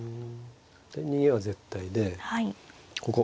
逃げは絶対でここ。